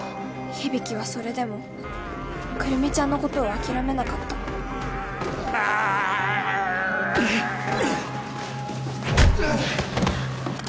響はそれでも来美ちゃんのことを諦めなかったうっ！